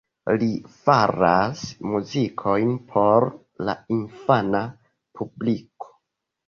Li faras muzikojn por la infana publiko.